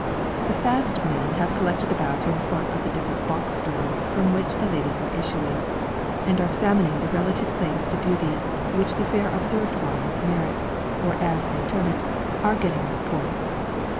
The fast men have collected about in front of the different box doors from which the ladies are issuing, and are examining the relative claims to beauty, which the fair observed ones merit, or as they term it, "are getting their points."